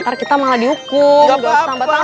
ntar kita malah dihukum